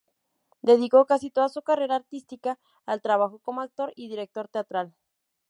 Dedicó casi toda su carrera artística al trabajo como actor y director teatral.